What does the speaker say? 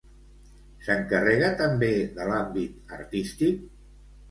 S'encarrega també de l'àmbit artístic?